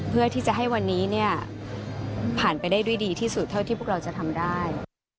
เพื่อที่จะให้วันนี้ผ่านไปได้ด้วยดีที่สุดเท่าที่พวกเราจะทำได้